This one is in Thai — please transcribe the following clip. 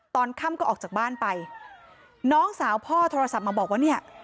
ตอนค่ำก็ออกจากบ้านไปน้องสาวพ่อโทรศัพท์มาบอกว่าเนี่ย